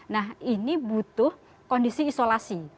nah ini butuh kondisi isolasi